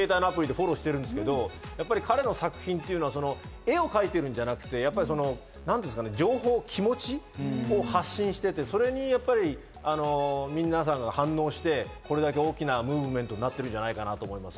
やっぱり彼の作品っていうのは絵を描いているんじゃなくて情報、気持ちを発信していて、それに皆さんが反応して、これだけ大きなムーブメントになっているんじゃないかなと思います。